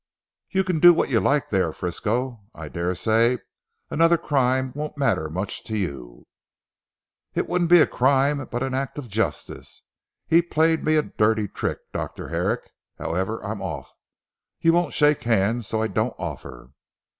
"You can do what you like there, Frisco. I daresay another crime won't matter much to you." "It wouldn't be a crime but an act of justice. He played me a dirty trick, Dr. Herrick. However, I'm off. You won't shake hands so I don't offer.